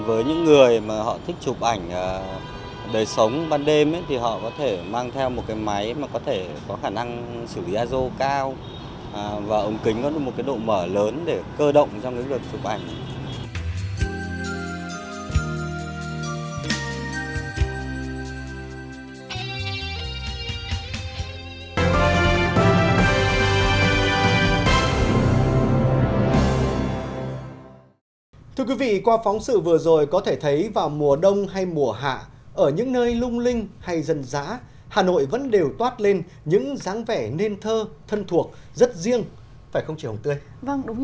với những người mà thích chụp ảnh đời sống về đêm ảnh đường phố thì họ có thể hòa mình vào các con phố vào những nhịp sống ở hà nội ban đêm họ có thể chụp những khoảnh khắc đời sống thường nhật như vậy